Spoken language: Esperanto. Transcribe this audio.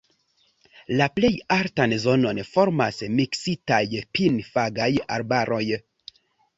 La plej altan zonon formas miksitaj pin-fagaj arbaroj.